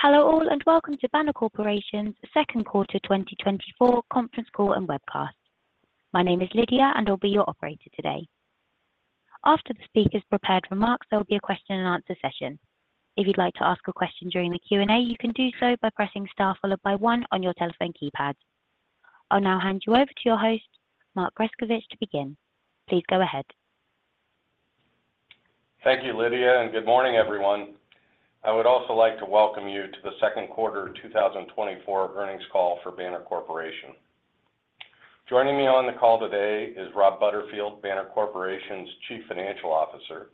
Hello all, and welcome to Banner Corporation's second quarter 2024 conference call and webcast. My name is Lydia, and I'll be your operator today. After the speaker's prepared remarks, there will be a question and answer session. If you'd like to ask a question during the Q&A, you can do so by pressing star followed by one on your telephone keypad. I'll now hand you over to your host, Mark Grescovich, to begin. Please go ahead. Thank you, Lydia, and good morning, everyone. I would also like to welcome you to the second quarter 2024 earnings call for Banner Corporation. Joining me on the call today is Rob Butterfield, Banner Corporation's Chief Financial Officer,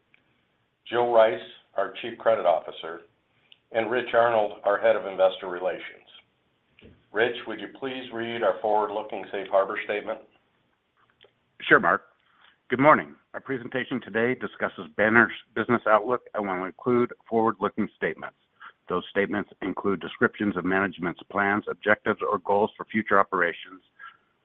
Jill Rice, our Chief Credit Officer, and Rich Arnold, our Head of Investor Relations. Rich, would you please read our forward-looking safe harbor statement? Sure, Mark. Good morning. Our presentation today discusses Banner's business outlook and will include forward-looking statements. Those statements include descriptions of management's plans, objectives, or goals for future operations,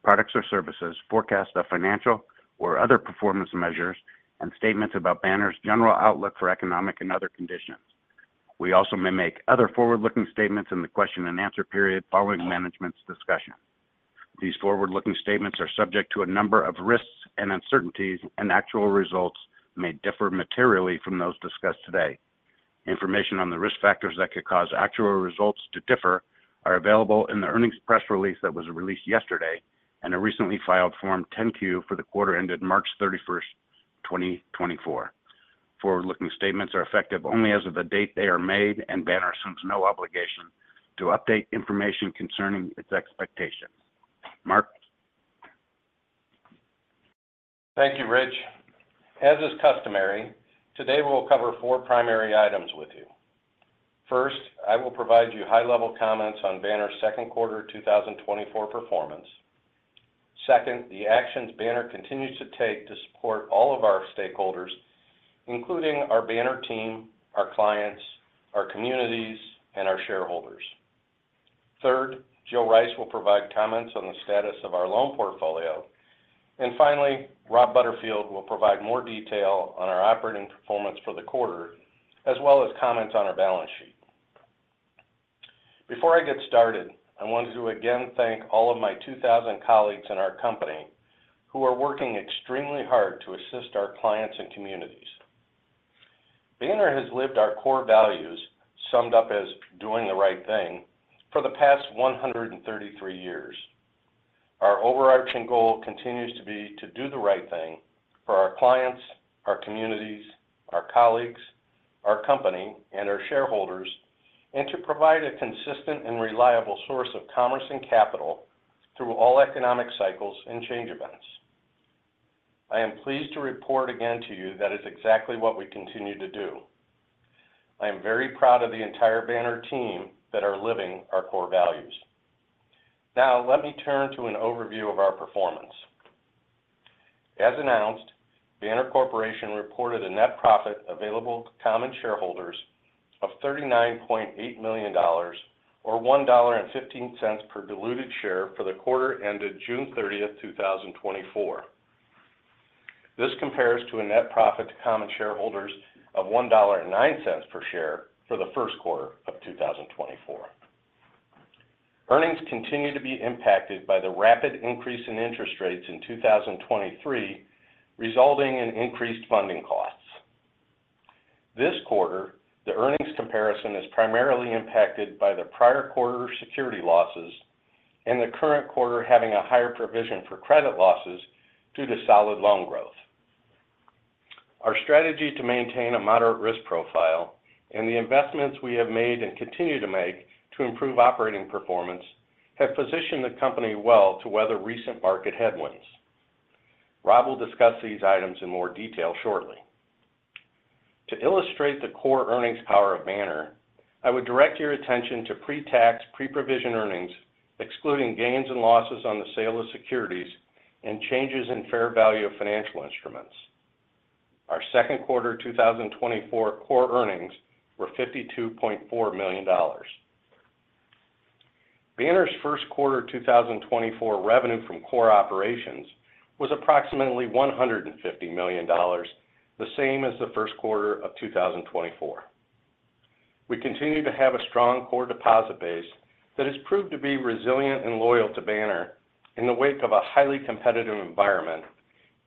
products or services, forecasts of financial or other performance measures, and statements about Banner's general outlook for economic and other conditions. We also may make other forward-looking statements in the question and answer period following management's discussion. These forward-looking statements are subject to a number of risks and uncertainties, and actual results may differ materially from those discussed today. Information on the risk factors that could cause actual results to differ are available in the earnings press release that was released yesterday and a recently filed Form 10-Q for the quarter ended March 31st, 2024. Forward-looking statements are effective only as of the date they are made, and Banner assumes no obligation to update information concerning its expectations. Mark? Thank you, Rich. As is customary, today we will cover four primary items with you. First, I will provide you high-level comments on Banner's second quarter 2024 performance. Second, the actions Banner continues to take to support all of our stakeholders, including our Banner team, our clients, our communities, and our shareholders. Third, Jill Rice will provide comments on the status of our loan portfolio. And finally, Rob Butterfield will provide more detail on our operating performance for the quarter, as well as comments on our balance sheet. Before I get started, I wanted to again thank all of my 2,000 colleagues in our company who are working extremely hard to assist our clients and communities. Banner has lived our core values, summed up as doing the right thing, for the past 133 years. Our overarching goal continues to be to do the right thing for our clients, our communities, our colleagues, our company, and our shareholders, and to provide a consistent and reliable source of commerce and capital through all economic cycles and change events. I am pleased to report again to you that is exactly what we continue to do. I am very proud of the entire Banner team that are living our core values. Now, let me turn to an overview of our performance. As announced, Banner Corporation reported a net profit available to common shareholders of $39.8 million, or $1.15 per diluted share for the quarter ended June 30, 2024. This compares to a net profit to common shareholders of $1.09 per share for the first quarter of 2024. Earnings continue to be impacted by the rapid increase in interest rates in 2023, resulting in increased funding costs. This quarter, the earnings comparison is primarily impacted by the prior quarter security losses and the current quarter having a higher provision for credit losses due to solid loan growth. Our strategy to maintain a moderate risk profile and the investments we have made and continue to make to improve operating performance have positioned the company well to weather recent market headwinds. Rob will discuss these items in more detail shortly. To illustrate the core earnings power of Banner, I would direct your attention to pre-tax, pre-provision earnings, excluding gains and losses on the sale of securities and changes in fair value of financial instruments. Our second quarter 2024 core earnings were $52.4 million. Banner's first quarter 2024 revenue from core operations was approximately $150 million, the same as the first quarter of 2024. We continue to have a strong core deposit base that has proved to be resilient and loyal to Banner in the wake of a highly competitive environment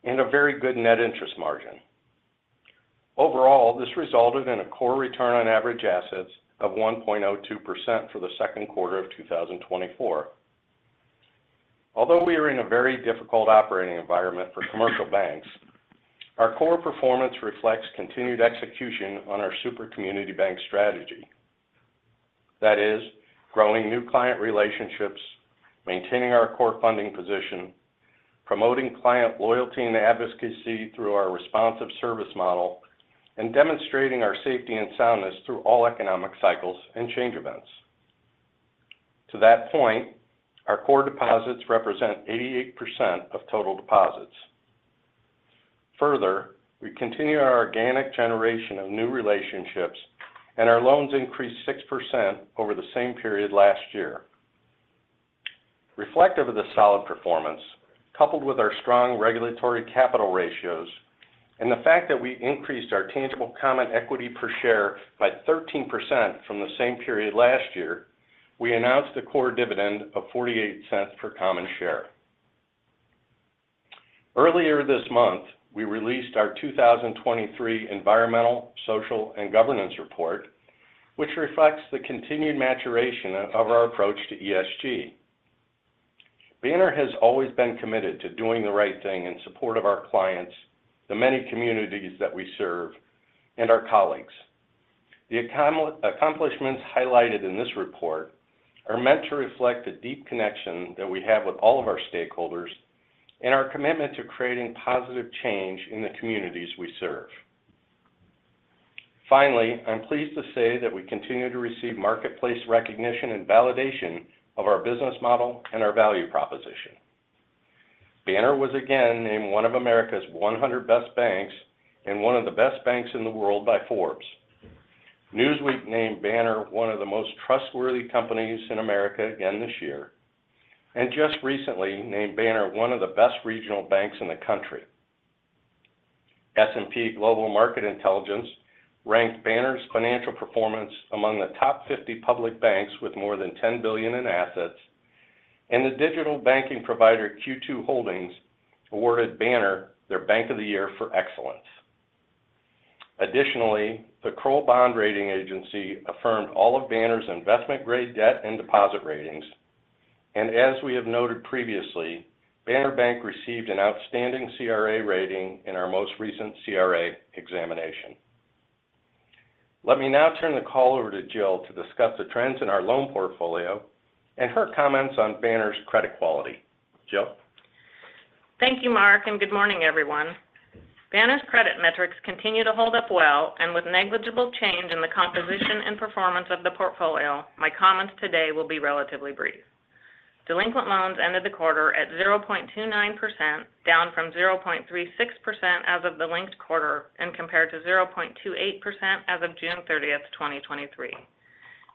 and a very good net interest margin. Overall, this resulted in a core return on average assets of 1.02% for the second quarter of 2024. Although we are in a very difficult operating environment for commercial banks, our core performance reflects continued execution on our super community bank strategy. That is, growing new client relationships, maintaining our core funding position, promoting client loyalty and advocacy through our responsive service model, and demonstrating our safety and soundness through all economic cycles and change events. To that point, our core deposits represent 88% of total deposits. Further, we continue our organic generation of new relationships, and our loans increased 6% over the same period last year. Reflective of the solid performance, coupled with our strong regulatory capital ratios and the fact that we increased our tangible common equity per share by 13% from the same period last year, we announced a core dividend of $0.48 per common share. Earlier this month, we released our 2023 environmental, social, and governance report, which reflects the continued maturation of our approach to ESG. Banner has always been committed to doing the right thing in support of our clients, the many communities that we serve, and our colleagues. The accomplishments highlighted in this report are meant to reflect the deep connection that we have with all of our stakeholders, and our commitment to creating positive change in the communities we serve. Finally, I'm pleased to say that we continue to receive marketplace recognition and validation of our business model and our value proposition. Banner was again named one of America's 100 Best Banks and one of the best banks in the world by Forbes. Newsweek named Banner one of the Most Trustworthy Companies in America again this year, and just recently named Banner one of the Best Regional Banks in the country. S&P Global Market Intelligence ranked Banner's financial performance among the top 50 public banks with more than $10 billion in assets, and the digital banking provider Q2 Holdings awarded Banner their Bank of the Year for Excellence. Additionally, the Kroll Bond Rating Agency affirmed all of Banner's investment-grade debt and deposit ratings. As we have noted previously, Banner Bank received an Outstanding CRA rating in our most recent CRA examination. Let me now turn the call over to Jill to discuss the trends in our loan portfolio and her comments on Banner's credit quality. Jill? Thank you, Mark, and good morning, everyone. Banner's credit metrics continue to hold up well, and with negligible change in the composition and performance of the portfolio, my comments today will be relatively brief. Delinquent loans ended the quarter at 0.29%, down from 0.36% as of the linked quarter, and compared to 0.28% as of June 30th, 2023.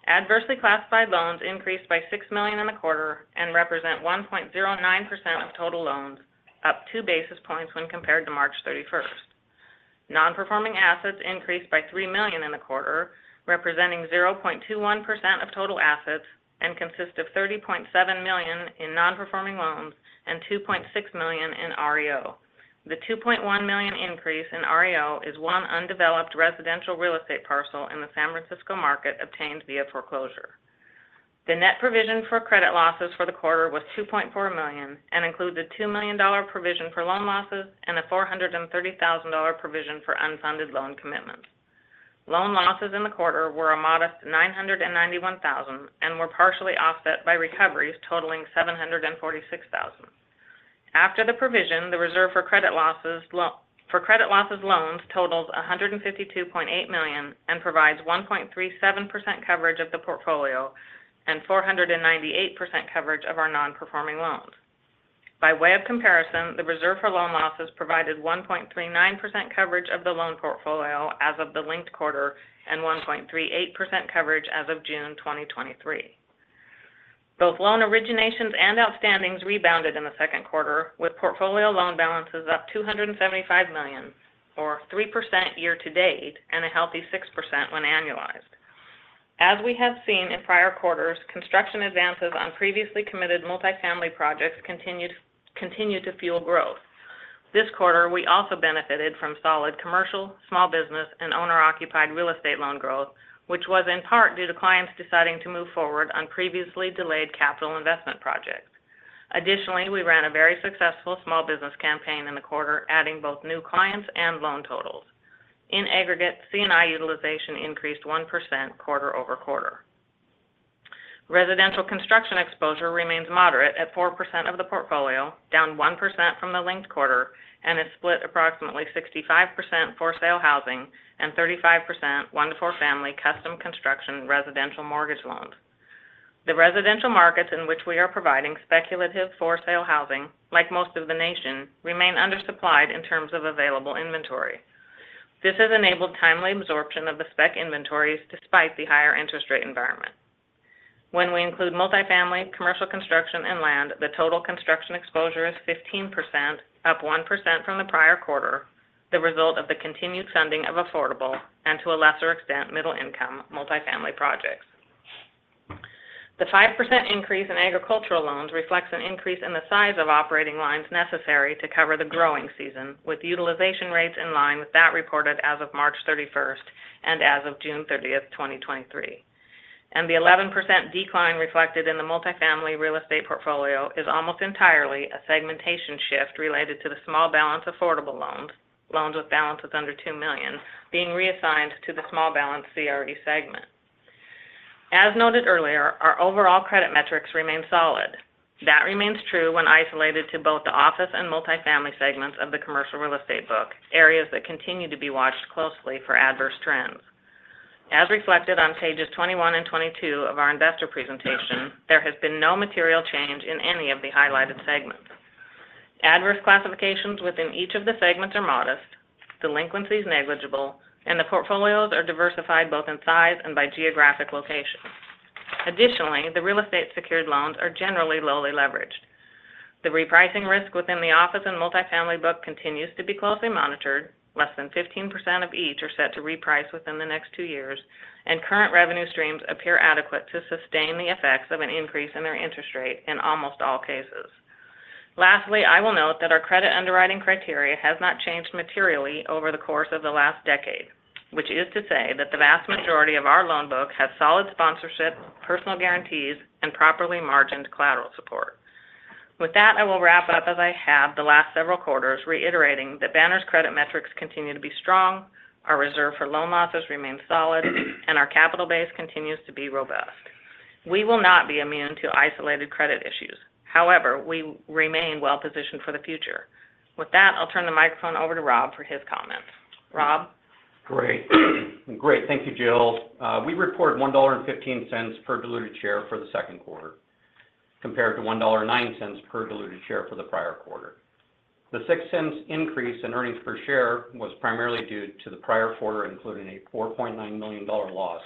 Adversely classified loans increased by $6 million in the quarter and represent 1.09% of total loans, up 2 basis points when compared to March 31st. Non-performing assets increased by $3 million in the quarter, representing 0.21% of total assets, and consist of $30.7 million in non-performing loans and $2.6 million in REO. The $2.1 million increase in REO is one undeveloped residential real estate parcel in the San Francisco market, obtained via foreclosure. The net provision for credit losses for the quarter was $2.4 million and includes a $2 million provision for loan losses and a $430,000 provision for unfunded loan commitment. Loan losses in the quarter were a modest $991,000, and were partially offset by recoveries totaling $746,000. After the provision, the reserve for credit losses for loans totals $152.8 million and provides 1.37% coverage of the portfolio and 498% coverage of our non-performing loans. By way of comparison, the reserve for loan losses provided 1.39% coverage of the loan portfolio as of the linked quarter and 1.38% coverage as of June 2023. Both loan originations and outstandings rebounded in the second quarter, with portfolio loan balances up $275 million, or 3% year to date, and a healthy 6% when annualized. As we have seen in prior quarters, construction advances on previously committed multifamily projects continue to fuel growth. This quarter, we also benefited from solid commercial, small business, and owner-occupied real estate loan growth, which was in part due to clients deciding to move forward on previously delayed capital investment projects. Additionally, we ran a very successful small business campaign in the quarter, adding both new clients and loan totals. In aggregate, C&I utilization increased 1% quarter-over-quarter. Residential construction exposure remains moderate at 4% of the portfolio, down 1% from the linked quarter, and is split approximately 65% for-sale housing and 35% one to four family custom construction residential mortgage loans. The residential markets in which we are providing speculative for-sale housing, like most of the nation, remain undersupplied in terms of available inventory. This has enabled timely absorption of the spec inventories despite the higher interest rate environment. When we include multifamily, commercial construction, and land, the total construction exposure is 15%, up 1% from the prior quarter, the result of the continued funding of affordable and, to a lesser extent, middle-income multifamily projects. The 5% increase in agricultural loans reflects an increase in the size of operating lines necessary to cover the growing season, with utilization rates in line with that reported as of March 31st and as of June 30th, 2023. The 11% decline reflected in the multifamily real estate portfolio is almost entirely a segmentation shift related to the small balance affordable loans, loans with balances under $2 million, being reassigned to the small balance CRE segment. As noted earlier, our overall credit metrics remain solid. That remains true when isolated to both the office and multifamily segments of the commercial real estate book, areas that continue to be watched closely for adverse trends. As reflected on pages 21 and 22 of our investor presentation, there has been no material change in any of the highlighted segments.... Adverse classifications within each of the segments are modest, delinquencies negligible, and the portfolios are diversified both in size and by geographic location. Additionally, the real estate secured loans are generally lowly leveraged. The repricing risk within the office and multifamily book continues to be closely monitored. Less than 15% of each are set to reprice within the next two years, and current revenue streams appear adequate to sustain the effects of an increase in their interest rate in almost all cases. Lastly, I will note that our credit underwriting criteria has not changed materially over the course of the last decade, which is to say that the vast majority of our loan book has solid sponsorship, personal guarantees, and properly margined collateral support. With that, I will wrap up as I have the last several quarters, reiterating that Banner's credit metrics continue to be strong, our reserve for loan losses remains solid, and our capital base continues to be robust. We will not be immune to isolated credit issues. However, we remain well-positioned for the future. With that, I'll turn the microphone over to Rob for his comments. Rob? Great. Great. Thank you, Jill. We report $1.15 per diluted share for the second quarter, compared to $1.09 per diluted share for the prior quarter. The $0.06 increase in earnings per share was primarily due to the prior quarter, including a $4.9 million loss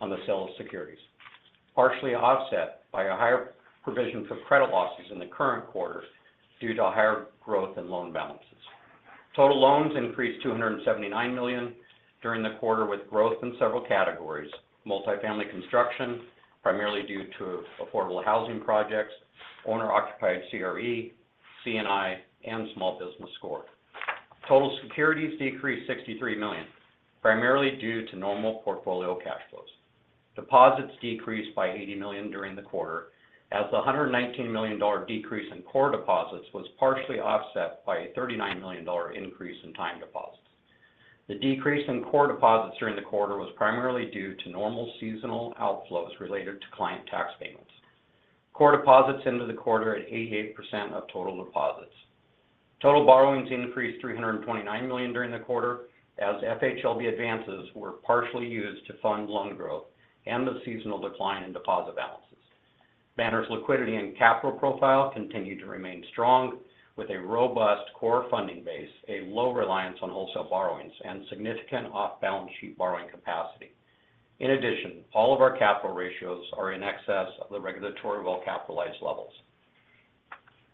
on the sale of securities, partially offset by a higher provision for credit losses in the current quarter due to higher growth in loan balances. Total loans increased $279 million during the quarter, with growth in several categories: multifamily construction, primarily due to affordable housing projects, owner-occupied CRE, C&I, and small business core. Total securities decreased $63 million, primarily due to normal portfolio cash flows. Deposits decreased by $80 million during the quarter, as the $119 million decrease in core deposits was partially offset by a $39 million increase in time deposits. The decrease in core deposits during the quarter was primarily due to normal seasonal outflows related to client tax payments. Core deposits ended the quarter at 88% of total deposits. Total borrowings increased $329 million during the quarter, as FHLB advances were partially used to fund loan growth and the seasonal decline in deposit balances. Banner's liquidity and capital profile continued to remain strong, with a robust core funding base, a low reliance on wholesale borrowings, and significant off-balance sheet borrowing capacity. In addition, all of our capital ratios are in excess of the regulatory well-capitalized levels.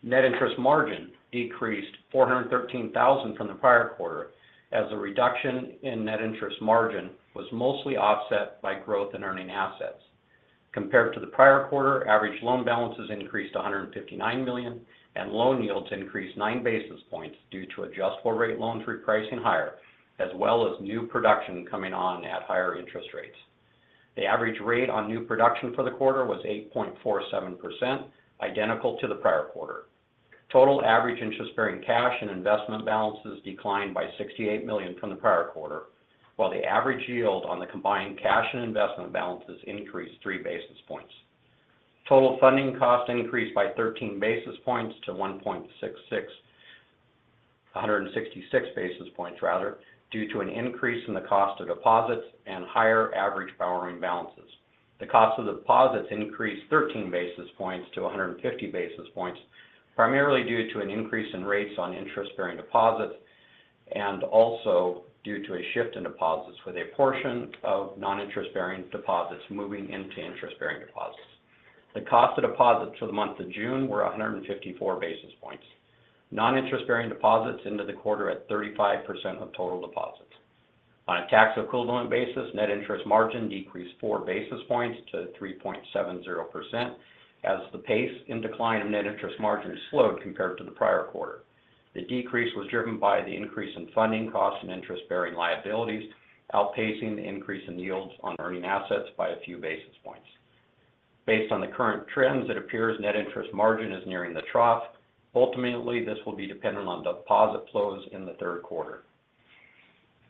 Net interest margin decreased 413,000 from the prior quarter, as the reduction in net interest margin was mostly offset by growth in earning assets. Compared to the prior quarter, average loan balances increased to $159 million, and loan yields increased 9 basis points due to adjustable-rate loans repricing higher, as well as new production coming on at higher interest rates. The average rate on new production for the quarter was 8.47%, identical to the prior quarter. Total average interest-bearing cash and investment balances declined by $68 million from the prior quarter, while the average yield on the combined cash and investment balances increased 3 basis points. Total funding cost increased by 13 basis points to 1.66-- 166 basis points, rather, due to an increase in the cost of deposits and higher average borrowing balances. The cost of deposits increased 13 basis points to 150 basis points, primarily due to an increase in rates on interest-bearing deposits, and also due to a shift in deposits, with a portion of non-interest-bearing deposits moving into interest-bearing deposits. The cost of deposits for the month of June were 154 basis points. Non-interest-bearing deposits ended the quarter at 35% of total deposits. On a tax equivalent basis, net interest margin decreased 4 basis points to 3.70%, as the pace in decline of net interest margin slowed compared to the prior quarter. The decrease was driven by the increase in funding costs and interest-bearing liabilities, outpacing the increase in yields on earning assets by a few basis points. Based on the current trends, it appears net interest margin is nearing the trough. Ultimately, this will be dependent on deposit flows in the third quarter.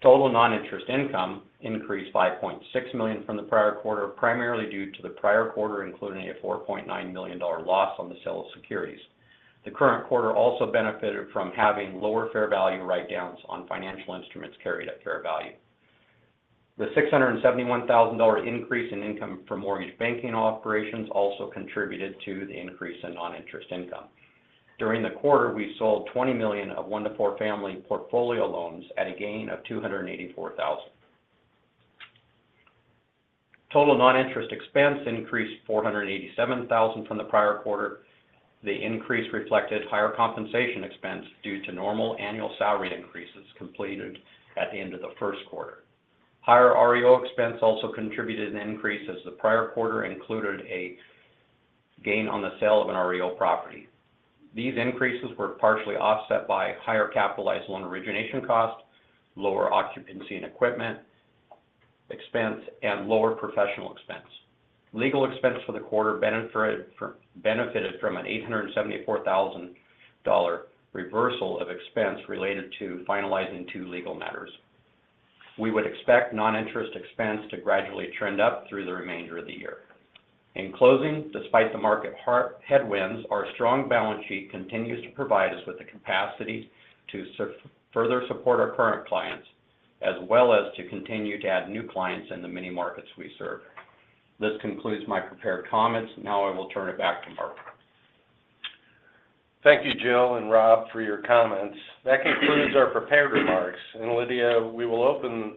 Total non-interest income increased by $0.6 million from the prior quarter, primarily due to the prior quarter, including a $4.9 million dollar loss on the sale of securities. The current quarter also benefited from having lower fair value write-downs on financial instruments carried at fair value. The $671,000 increase in income for mortgage banking operations also contributed to the increase in non-interest income. During the quarter, we sold $20 million of one to four family portfolio loans at a gain of $284,000. Total non-interest expense increased $487,000 from the prior quarter. The increase reflected higher compensation expense due to normal annual salary increases completed at the end of the first quarter. Higher REO expense also contributed an increase as the prior quarter included a gain on the sale of an REO property. These increases were partially offset by higher capitalized loan origination costs, lower occupancy and equipment expense, and lower professional expense. Legal expense for the quarter benefited from, benefited from an $874,000 reversal of expense related to finalizing two legal matters. We would expect non-interest expense to gradually trend up through the remainder of the year. In closing, despite the market headwinds, our strong balance sheet continues to provide us with the capacity to further support our current clients, as well as to continue to add new clients in the many markets we serve. This concludes my prepared comments. Now I will turn it back to Mark. Thank you, Jill and Rob, for your comments. That concludes our prepared remarks. Lydia, we will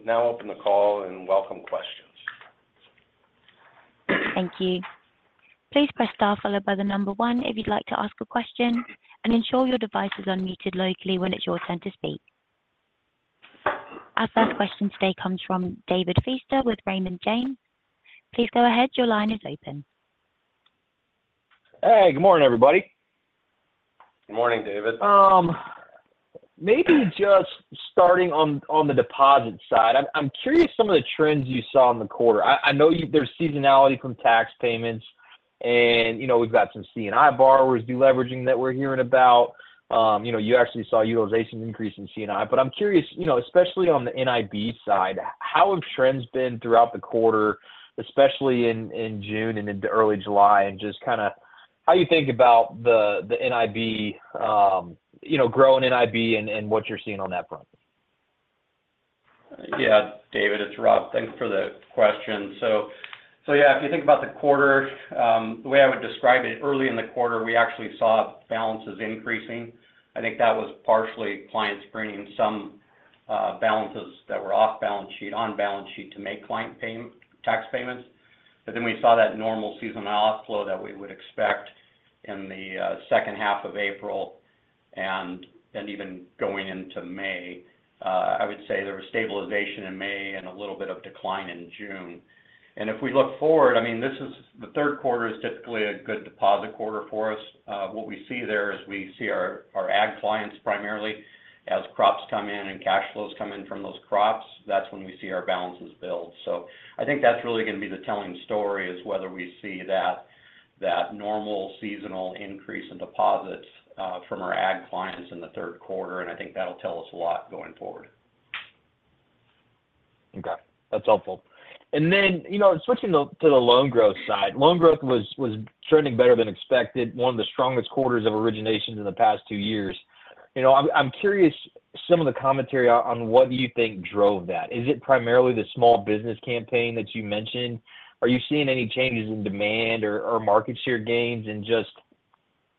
now open the call and welcome questions. Thank you. Please press star followed by the number one if you'd like to ask a question, and ensure your device is unmuted locally when it's your turn to speak. Our first question today comes from David Feaster with Raymond James. Please go ahead. Your line is open. Hey, good morning, everybody. Good morning, David. Maybe just starting on the deposit side. I'm curious some of the trends you saw in the quarter. I know you-- there's seasonality from tax payments and, you know, we've got some C&I borrowers deleveraging that we're hearing about. You know, you actually saw utilization increase in C&I. But I'm curious, you know, especially on the NIB side, how have trends been throughout the quarter, especially in June and into early July, and just kinda how you think about the NIB, you know, growing NIB and what you're seeing on that front? Yeah, David, it's Rob. Thanks for the question. So, yeah, if you think about the quarter, the way I would describe it, early in the quarter, we actually saw balances increasing. I think that was partially clients bringing some balances that were off balance sheet, on balance sheet to make client tax payments. But then we saw that normal seasonal outflow that we would expect in the second half of April and even going into May. I would say there was stabilization in May and a little bit of decline in June. And if we look forward, I mean, this is the third quarter is typically a good deposit quarter for us. What we see there is we see our ag clients, primarily, as crops come in and cash flows come in from those crops, that's when we see our balances build. So I think that's really gonna be the telling story, is whether we see that normal seasonal increase in deposits from our ag clients in the third quarter, and I think that'll tell us a lot going forward. Okay, that's helpful. Then, you know, switching to the loan growth side. Loan growth was trending better than expected, one of the strongest quarters of originations in the past two years. You know, I'm curious, some of the commentary on what you think drove that. Is it primarily the small business campaign that you mentioned? Are you seeing any changes in demand or market share gains? And just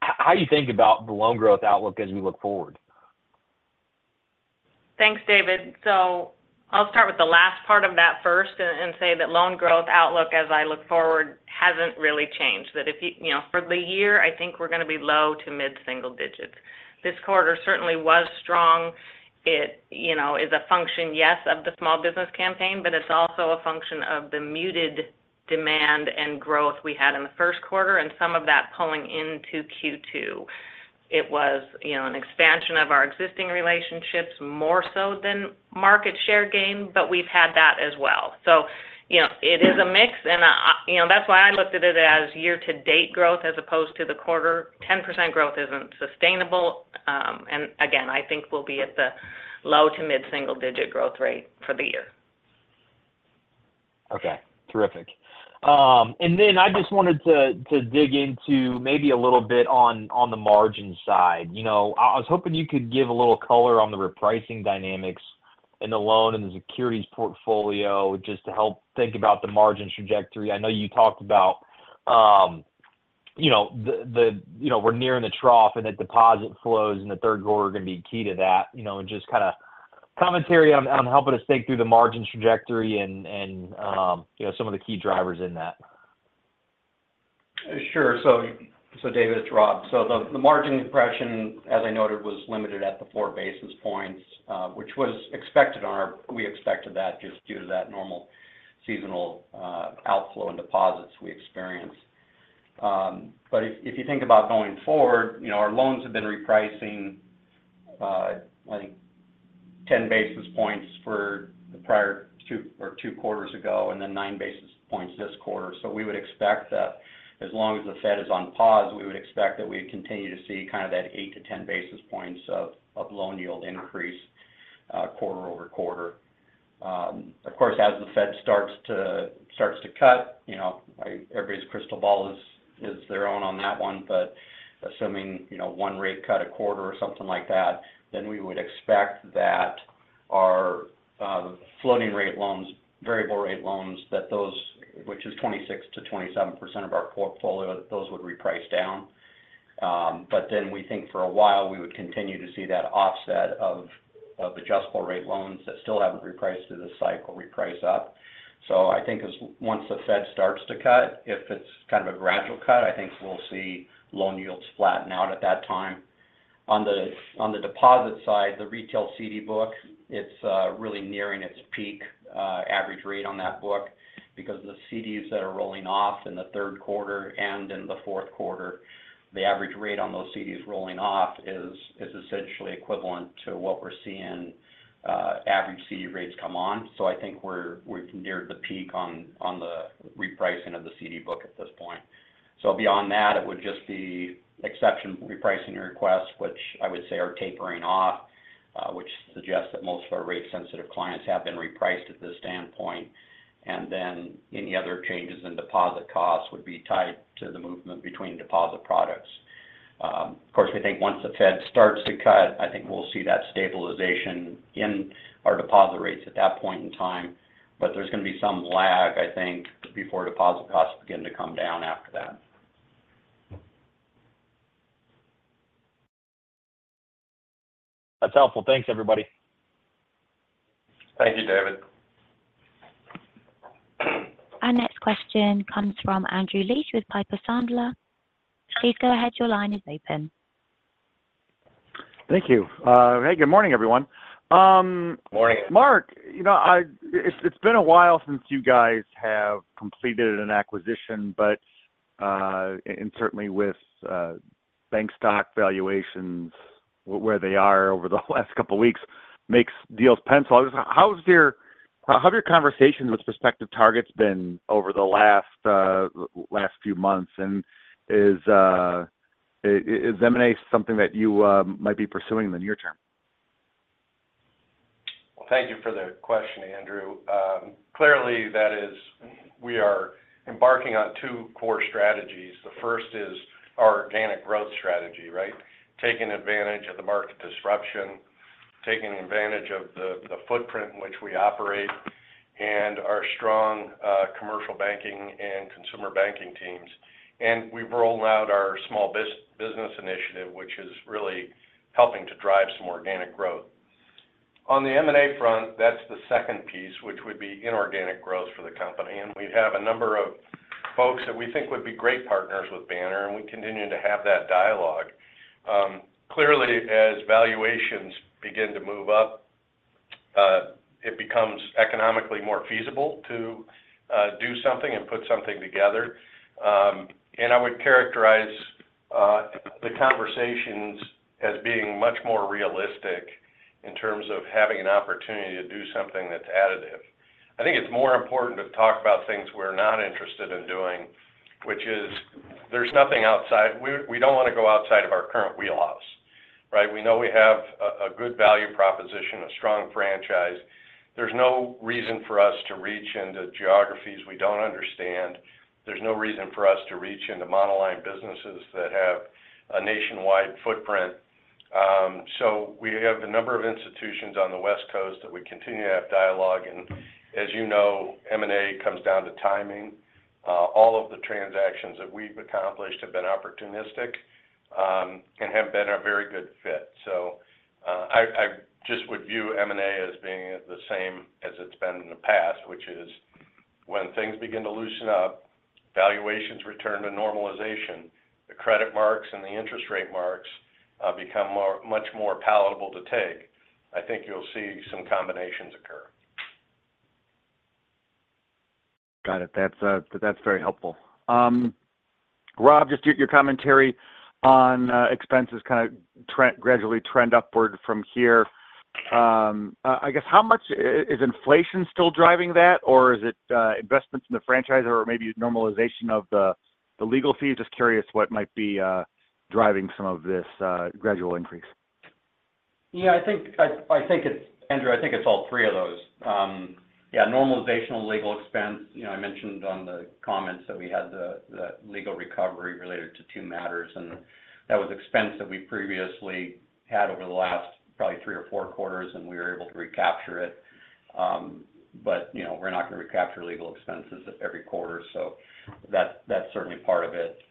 how you think about the loan growth outlook as we look forward? Thanks, David. So I'll start with the last part of that first and say that loan growth outlook as I look forward hasn't really changed. That if you—you know, for the year, I think we're going to be low to mid single digits. This quarter certainly was strong. It, you know, is a function, yes, of the small business campaign, but it's also a function of the muted demand and growth we had in the first quarter, and some of that pulling into Q2. It was, you know, an expansion of our existing relationships more so than market share gain, but we've had that as well. So, you know, it is a mix, and you know, that's why I looked at it as year to date growth as opposed to the quarter. 10% growth isn't sustainable, and again, I think we'll be at the low to mid single digit growth rate for the year. Okay, terrific. And then I just wanted to dig into maybe a little bit on the margin side. You know, I was hoping you could give a little color on the repricing dynamics in the loan and the securities portfolio, just to help think about the margin trajectory. I know you talked about, you know, we're nearing the trough and that deposit flows in the third quarter are going to be key to that. You know, just kinda commentary on helping us think through the margin trajectory and, you know, some of the key drivers in that. Sure. So, David, it's Rob. So the margin compression, as I noted, was limited at the 4 basis points, which was expected on our—we expected that just due to that normal seasonal outflow in deposits we experienced. But if you think about going forward, you know, our loans have been repricing, I think 10 basis points for the prior two quarters ago, and then 9 basis points this quarter. So we would expect that as long as the Fed is on pause, we would expect that we'd continue to see kind of that 8 to 10 basis points of loan yield increase, quarter-over-quarter. Of course, as the Fed starts to cut, you know, everybody's crystal ball is their own on that one. But assuming, you know, one rate cut a quarter or something like that, then we would expect that our floating rate loans, variable rate loans, that those, which is 26%-27% of our portfolio, those would reprice down. But then we think for a while, we would continue to see that offset of adjustable rate loans that still haven't repriced through this cycle reprice up. So I think once the Fed starts to cut, if it's kind of a gradual cut, I think we'll see loan yields flatten out at that time. On the deposit side, the retail CD book, it's really nearing its peak average rate on that book, because the CDs that are rolling off in the third quarter and in the fourth quarter, the average rate on those CDs rolling off is essentially equivalent to what we're seeing average CD rates come on. So I think we've neared the peak on the repricing of the CD book at this point. So beyond that, it would just be exception repricing requests, which I would say are tapering off, which suggests that most of our rate-sensitive clients have been repriced at this standpoint. And then any other changes in deposit costs would be tied to the movement between deposit products. Of course, we think once the Fed starts to cut, I think we'll see that stabilization in our deposit rates at that point in time. But there's going to be some lag, I think, before deposit costs begin to come down after that. That's helpful. Thanks, everybody. Thank you, David. Our next question comes from Andrew Liesch with Piper Sandler. Please go ahead. Your line is open. Thank you. Hey, good morning, everyone. Morning. Mark, you know, it's been a while since you guys have completed an acquisition, but and certainly with bank stock valuations, where they are over the last couple of weeks, makes deals pencil. How have your conversations with prospective targets been over the last few months? And is M&A something that you might be pursuing in the near term? Well, thank you for the question, Andrew. Clearly, that is, we are embarking on two core strategies. The first is our organic growth strategy, right? Taking advantage of the market disruption, taking advantage of the footprint in which we operate, and our strong commercial banking and consumer banking teams. And we've rolled out our small business initiative, which is really helping to drive some organic growth. On the M&A front, that's the second piece, which would be inorganic growth for the company. And we have a number of folks that we think would be great partners with Banner, and we continue to have that dialogue. Clearly, as valuations begin to move up, it becomes economically more feasible to do something and put something together. And I would characterize the conversations as being much more realistic in terms of having an opportunity to do something that's additive. I think it's more important to talk about things we're not interested in doing, which is there's nothing outside, we don't want to go outside of our current wheelhouse, right? We know we have a good value proposition, a strong franchise. There's no reason for us to reach into geographies we don't understand. There's no reason for us to reach into monoline businesses that have a nationwide footprint. So we have a number of institutions on the West Coast that we continue to have dialogue, and as you know, M&A comes down to timing. All of the transactions that we've accomplished have been opportunistic, and have been a very good fit. So, I just would view M&A as being the same as it's been in the past, which is when things begin to loosen up, valuations return to normalization, the credit marks and the interest rate marks become much more palatable to take. I think you'll see some combinations occur. Got it. That's, that's very helpful. Rob, just your, your commentary on, expenses kind of trend gradually trend upward from here. I guess how much is, is inflation still driving that, or is it, investments in the franchise, or maybe normalization of the, the legal fees? Just curious what might be, driving some of this, gradual increase. Yeah, I think it's all three of those, Andrew. Yeah, normalization legal expense. You know, I mentioned on the comments that we had the legal recovery related to two matters, and that was expense that we previously had over the last probably three or four quarters, and we were able to recapture it. But, you know, we're not going to recapture legal expenses every quarter, so that's certainly part of it.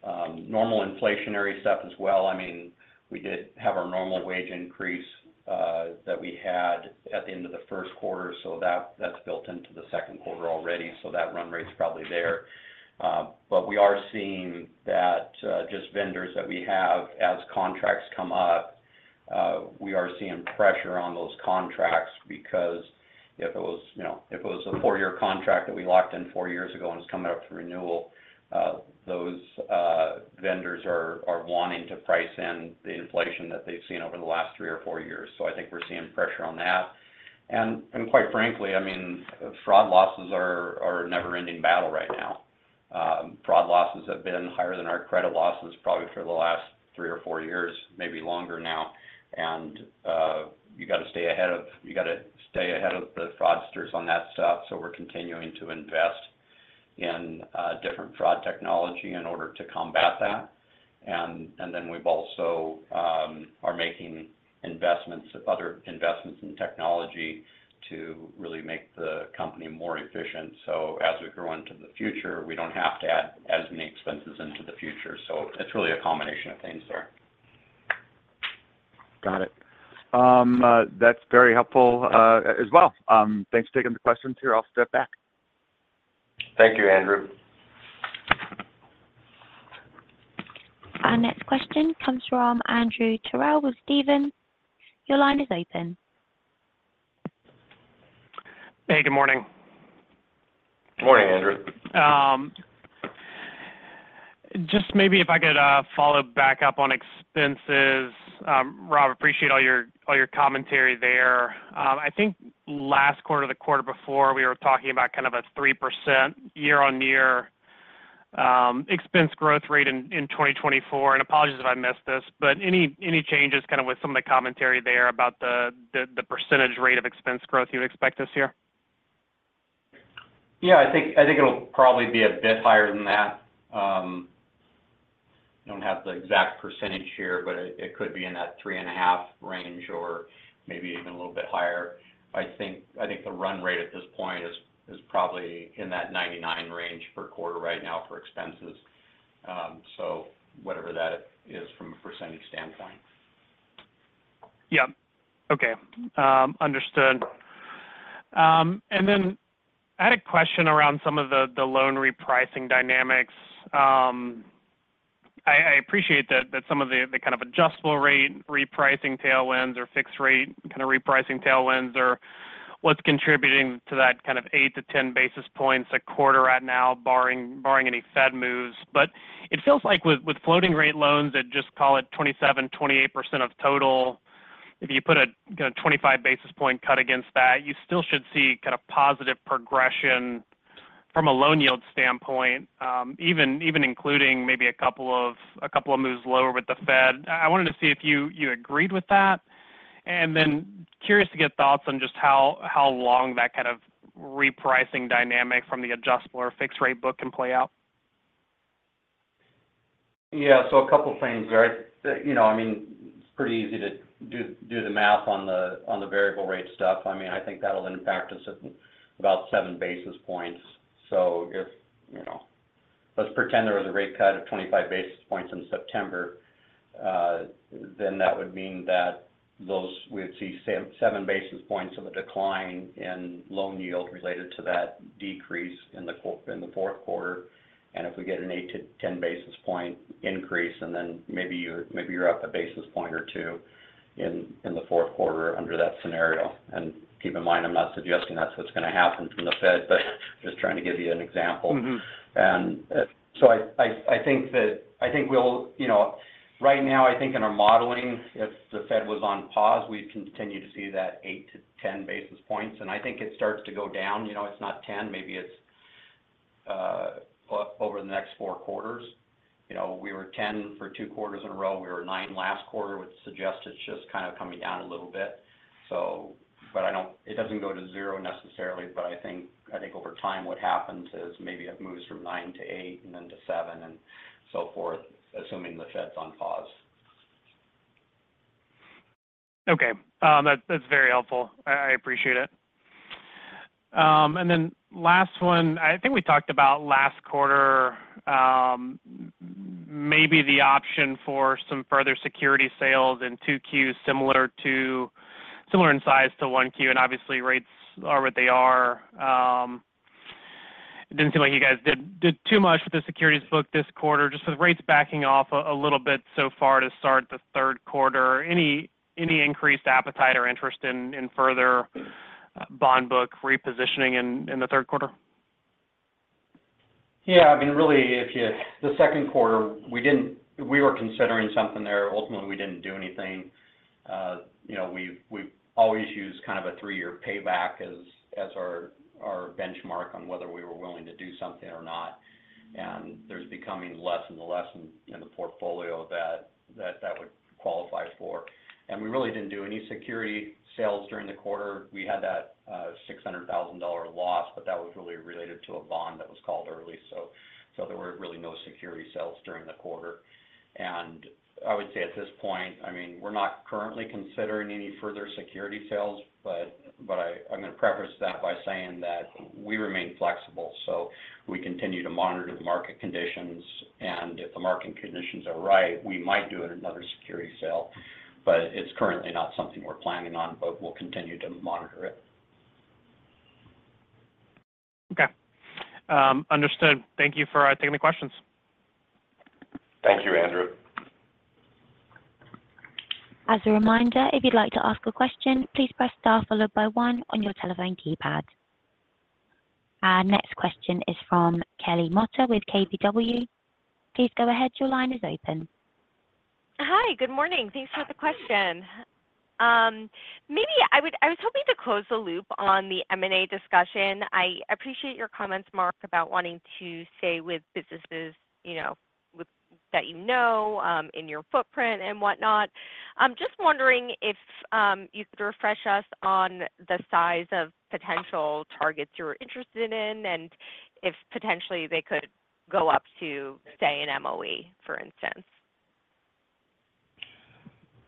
Normal inflationary stuff as well. I mean, we did have our normal wage increase that we had at the end of the first quarter, so that's built into the second quarter already, so that run rate is probably there. But we are seeing that just vendors that we have as contracts come up, we are seeing pressure on those contracts because if it was, you know, if it was a four-year contract that we locked in four years ago and is coming up for renewal, those vendors are wanting to price in the inflation that they've seen over the last three or four years. So I think we're seeing pressure on that. And quite frankly, I mean, fraud losses are a never-ending battle right now. Fraud losses have been higher than our credit losses probably for the last three or four years, maybe longer now. And you got to stay ahead of the fraudsters on that stuff. So we're continuing to invest in different fraud technology in order to combat that. Then we've also are making investments, other investments in technology to really make the company more efficient. So as we grow into the future, we don't have to add as many expenses into the future. So it's really a combination of things there. Got it. That's very helpful, as well. Thanks for taking the questions here. I'll step back. Thank you, Andrew. Our next question comes from Andrew Terrell with Stephens. Your line is open. Hey, good morning. Morning, Andrew. Just maybe if I could follow back up on expenses. Rob, appreciate all your commentary there. I think last quarter or the quarter before, we were talking about kind of a 3% year-on-year expense growth rate in 2024. Apologies if I missed this, but any changes kind of with some of the commentary there about the percentage rate of expense growth you expect this year?... Yeah, I think it'll probably be a bit higher than that. I don't have the exact percentage here, but it could be in that 3.5 range or maybe even a little bit higher. I think the run rate at this point is probably in that 99 range per quarter right now for expenses. So whatever that is from a percentage standpoint. Yeah. Okay. Understood. And then I had a question around some of the loan repricing dynamics. I appreciate that some of the kind of adjustable rate repricing tailwinds or fixed rate kind of repricing tailwinds are what's contributing to that kind of 8-10 basis points a quarter right now, barring any Fed moves. But it feels like with floating rate loans at just call it 27-28% of total, if you put a, you know, 25 basis point cut against that, you still should see kind of positive progression from a loan yield standpoint, even including maybe a couple of moves lower with the Fed. I wanted to see if you agreed with that. Curious to get thoughts on just how long that kind of repricing dynamic from the adjustable or fixed rate book can play out? Yeah. So a couple of things, right? You know, I mean, it's pretty easy to do the math on the, on the variable rate stuff. I mean, I think that'll impact us at about 7 basis points. So if, you know—let's pretend there was a rate cut of 25 basis points in September, then that would mean that those—we'd see 7 basis points of a decline in loan yield related to that decrease in the fourth quarter. And if we get an 8-10 basis point increase, and then maybe you're, maybe you're up a basis point or 2 in, in the fourth quarter under that scenario. And keep in mind, I'm not suggesting that's what's going to happen from the Fed, but just trying to give you an example. Mm-hmm. So I think we'll. You know, right now, I think in our modeling, if the Fed was on pause, we'd continue to see that 8-10 basis points. And I think it starts to go down, you know, it's not 10, maybe it's over the next four quarters. You know, we were 10 for two quarters in a row. We were nine last quarter, which suggests it's just kind of coming down a little bit. So, but it doesn't go to zero necessarily, but I think over time, what happens is maybe it moves from nine to eight and then to seven and so forth, assuming the Fed's on pause. Okay. That's, that's very helpful. I appreciate it. And then last one, I think we talked about last quarter, maybe the option for some further security sales in 2Q, similar to-- similar in size to 1Q, and obviously, rates are what they are. It didn't seem like you guys did, did too much with the securities book this quarter, just with rates backing off a little bit so far to start the third quarter. Any increased appetite or interest in, in further bond book repositioning in, in the third quarter? Yeah, I mean, really, if you—the second quarter, we didn't—we were considering something there. Ultimately, we didn't do anything. You know, we've always used kind of a three-year payback as our benchmark on whether we were willing to do something or not. And there's becoming less and less in the portfolio that would qualify for. And we really didn't do any security sales during the quarter. We had that $600,000 loss, but that was really related to a bond that was called early. So there were really no security sales during the quarter. And I would say at this point, I mean, we're not currently considering any further security sales, but I'm going to preface that by saying that we remain flexible. We continue to monitor the market conditions, and if the market conditions are right, we might do another security sale, but it's currently not something we're planning on, but we'll continue to monitor it. Okay. Understood. Thank you for taking the questions. Thank you, Andrew. As a reminder, if you'd like to ask a question, please press star followed by one on your telephone keypad. Our next question is from Kelly Motta with KBW. Please go ahead. Your line is open. Hi, good morning. Thanks for the question. Maybe I would—I was hoping to close the loop on the M&A discussion. I appreciate your comments, Mark, about wanting to stay with businesses, you know, with—that you know, in your footprint and whatnot. I'm just wondering if you could refresh us on the size of potential targets you're interested in, and if potentially they could go up to, say, an MOE, for instance?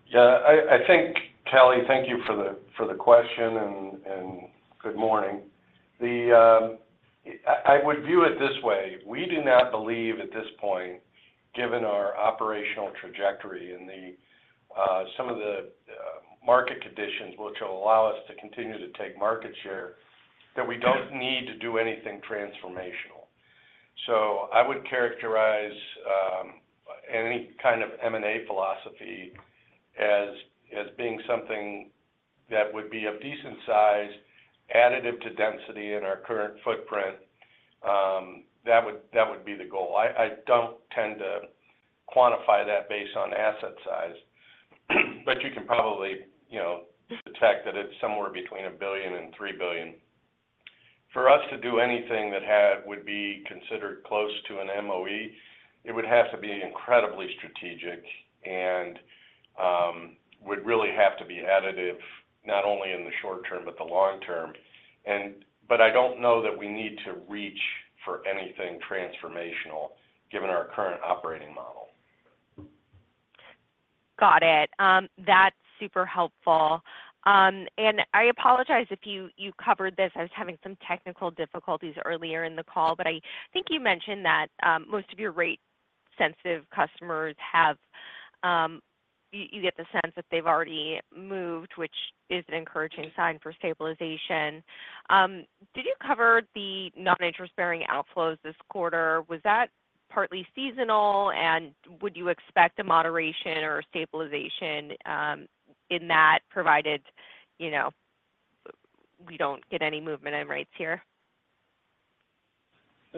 Yeah, I think, Kelly, thank you for the question, and good morning. I would view it this way: we do not believe at this point, given our operational trajectory and some of the market conditions which will allow us to continue to take market share, that we don't need to do anything transformational. So I would characterize any kind of M&A philosophy as being something that would be a decent size, additive to density in our current footprint. That would be the goal. I don't tend to quantify that based on asset size, but you can probably, you know, detect that it's somewhere between $1 billion and $3 billion. For us to do anything that had-- would be considered close to an MOE, it would have to be incredibly strategic and-... would really have to be additive, not only in the short term, but the long term. But I don't know that we need to reach for anything transformational, given our current operating model. Got it. That's super helpful. I apologize if you covered this. I was having some technical difficulties earlier in the call, but I think you mentioned that most of your rate-sensitive customers have you get the sense that they've already moved, which is an encouraging sign for stabilization. Did you cover the non-interest-bearing outflows this quarter? Was that partly seasonal, and would you expect a moderation or stabilization in that, provided you know we don't get any movement in rates here?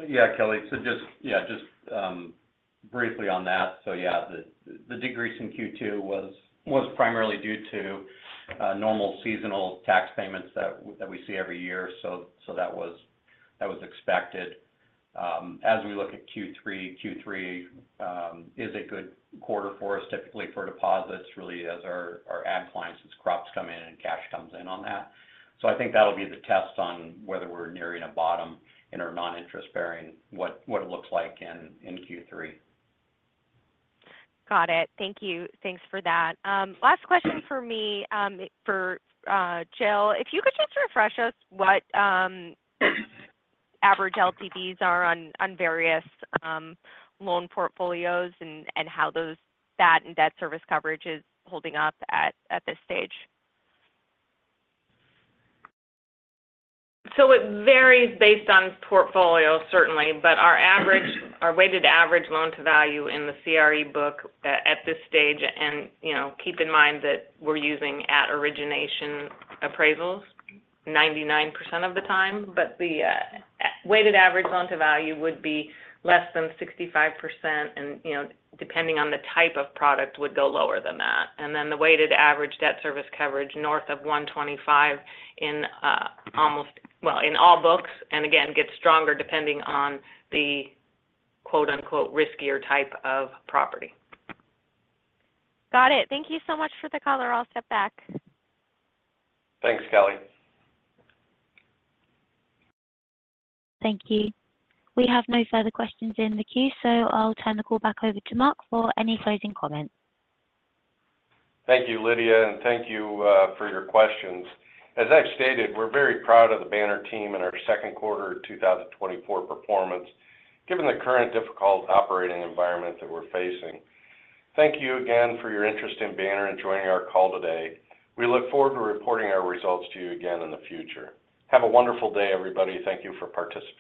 Yeah, Kelly. So just, yeah, just briefly on that. So yeah, the decrease in Q2 was primarily due to normal seasonal tax payments that we see every year. So that was expected. As we look at Q3, Q3 is a good quarter for us, typically for deposits, really, as our ag clients, as crops come in and cash comes in on that. So I think that'll be the test on whether we're nearing a bottom in our non-interest bearing, what it looks like in Q3. Got it. Thank you. Thanks for that. Last question for me, for Jill. If you could just refresh us what average LTVs are on various loan portfolios and how those—that and debt service coverage is holding up at this stage. So it varies based on portfolio, certainly, but our average—our weighted average loan-to-value in the CRE book at, at this stage, and, you know, keep in mind that we're using at origination appraisals 99% of the time. But the weighted average loan-to-value would be less than 65% and, you know, depending on the type of product, would go lower than that. And then the weighted average debt service coverage north of 1.25 in almost... well, in all books, and again, gets stronger depending on the quote-unquote, "riskier type of property. Got it. Thank you so much for the color. I'll step back. Thanks, Kelly. Thank you. We have no further questions in the queue, so I'll turn the call back over to Mark for any closing comments. Thank you, Lydia, and thank you for your questions. As I've stated, we're very proud of the Banner team and our second quarter 2024 performance, given the current difficult operating environment that we're facing. Thank you again for your interest in Banner and joining our call today. We look forward to reporting our results to you again in the future. Have a wonderful day, everybody. Thank you for participating.